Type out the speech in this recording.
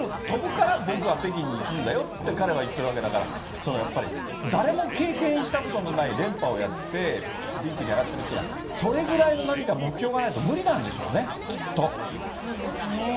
跳ぶから、僕は北京に行くんだよって彼は言ってるわけだから、やっぱり誰も経験したことのない連覇をやってリンクに上がってるっていうのは、それぐらいの何か目標がないと、そうですね。